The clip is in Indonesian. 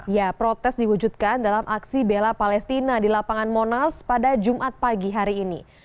ya protes diwujudkan dalam aksi bela palestina di lapangan monas pada jumat pagi hari ini